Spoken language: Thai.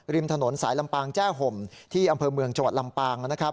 ริมถนนสายลำปางแจ้ห่มที่อำเภอเมืองจังหวัดลำปางนะครับ